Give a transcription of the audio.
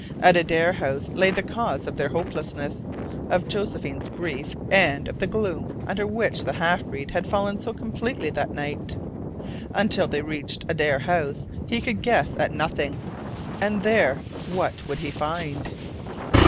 At Adare House lay the cause of their hopelessness, of Josephine's grief, and of the gloom under which the half breed had fallen so completely that night. Until they reached Adare House he could guess at nothing. And there what would he find?